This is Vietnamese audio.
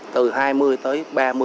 từ hai mươi tới ba mươi